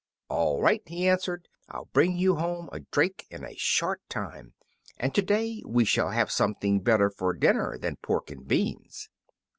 "All right," he answered, "I'll bring you home a drake in a short time, and to day we shall have something better for dinner than pork and beans."